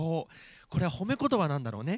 これは褒めことばなんだろうね。